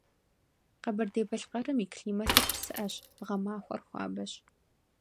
Къэбэрдей-Балъкъэрым и климатыр псыӏэщ, гъэмахуэр хуабэщ.